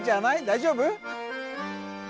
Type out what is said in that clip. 大丈夫？